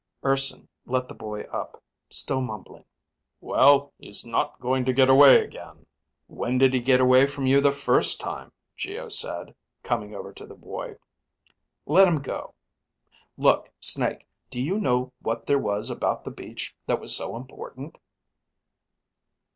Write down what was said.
Urson let the boy up, still mumbling, "Well, he's not going to get away again." "When did he get away from you the first time?" Geo said, coming over to the boy. "Let him go. Look, Snake, do you know what there was about the beach that was so important?"